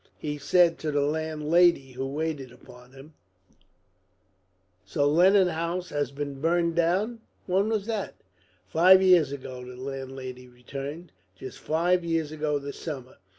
He said to the landlady who waited upon him: "So Lennon House has been burned down? When was that?" "Five years ago," the landlady returned, "just five years ago this summer."